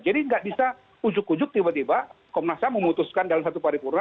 jadi nggak bisa ujuk ujuk tiba tiba komnas ham memutuskan dalam satu paripurata